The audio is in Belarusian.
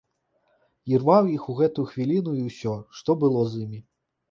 Ірваў іх у гэтую хвіліну і ўсё, што было з імі.